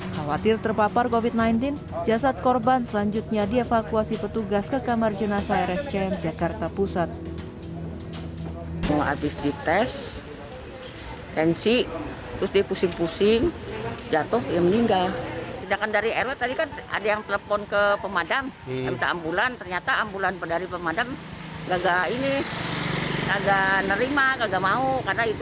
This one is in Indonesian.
khawatir terpapar covid sembilan belas jasad korban selanjutnya dievakuasi petugas ke kamar jenasa rsjm jakarta pusat